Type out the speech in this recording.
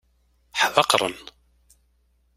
Ḥdaqren.